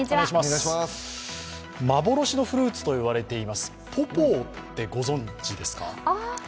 幻のフルーツと言われています、ポポーってご存じですか？